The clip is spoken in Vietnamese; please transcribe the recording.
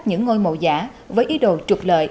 những ngôi mộ giả với ý đồ trục lợi